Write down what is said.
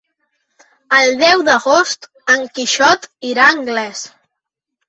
El deu d'agost en Quixot irà a Anglès.